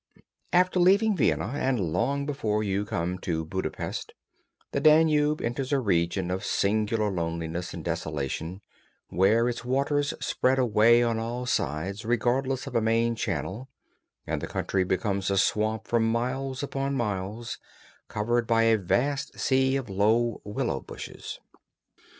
After leaving Vienna, and long before you come to Budapest, the Danube enters a region of singular loneliness and desolation, where its waters spread away on all sides regardless of a main channel, and the country becomes a swamp for miles upon miles, covered by a vast sea of low willow bushes.